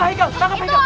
hai kalau mereka